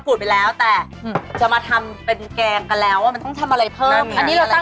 กลับมาอยู่ในนิดนึงแต่นี่ค่ะ